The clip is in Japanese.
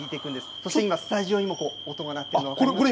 そして今、スタジオにも音が鳴っているの分かりますか？